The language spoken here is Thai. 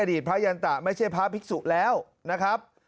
ดีพระยันตะไม่ใช่พระภิกษุแล้วนะครับ